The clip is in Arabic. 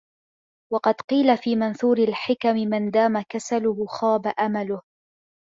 وَقَدْ قِيلَ فِي مَنْثُورِ الْحِكَمِ مَنْ دَامَ كَسَلُهُ خَابَ أَمَلُهُ